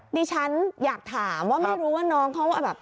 ดิฉันอยากถามว่าไม่รู้ว่าน้องเขาแบบ